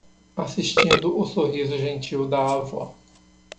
Assistindo o sorriso gentil da avó